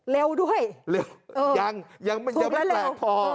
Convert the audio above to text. เร็วด้วยเร็วยังยังไม่แปลกพอ